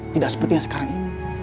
tidak seperti yang sekarang ini